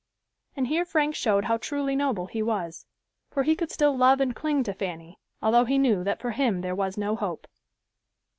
And here Frank showed how truly noble he was, for he could still love and cling to Fanny, although he knew that for him there was no hope.